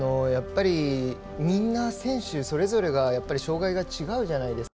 みんな、選手それぞれが障がいが違うじゃないですか。